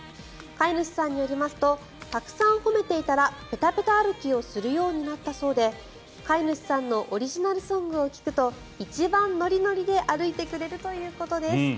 飼い主さんによりますとたくさん褒めていたらペタペタ歩きをするようになったそうで飼い主さんのオリジナルソングを聞くと一番ノリノリで歩いてくれるということです。